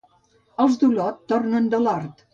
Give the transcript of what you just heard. Els d'Olot tornen de l'hort